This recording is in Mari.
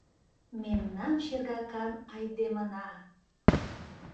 Мемнан шергакан айдемына!